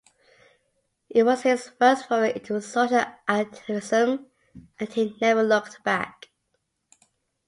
It was his first foray into social activism, and he never looked back.